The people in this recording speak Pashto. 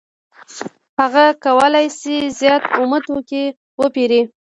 هغه کولای شي زیات اومه توکي وپېري